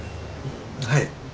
はい。